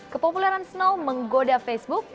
kepopuleran snow menggoda facebook